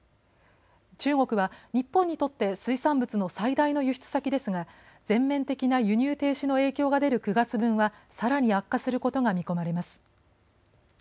中国は日本にとって水産物の最大の輸出先ですが全面的な輸入停止の影響が出る９月分はさらに悪化することが見込まれます。